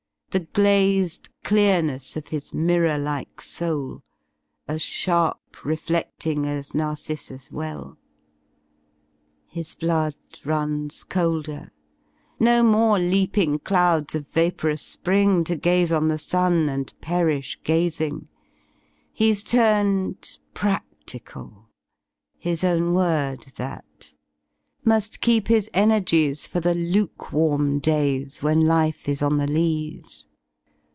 The glared clearness of his mirror like soul. As sharp refleding as Narcissus* well? His blood runs colder y no more leaping clouds Of vaporous spring to gaze on the sun. And perish gazing; he's turned ^^pradicaP' (His own word that)y mufi keep his energies For the lukewarm daySy when life is on the lees.